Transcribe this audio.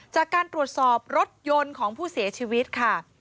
จากการตรวจสอบรถยนต์ของผู้เสียชีวิตค่ะ